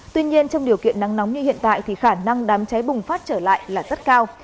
tuy nhiên trong điều kiện nắng nóng như hiện tại thì khả năng đám cháy bùng phát trở lại là rất cao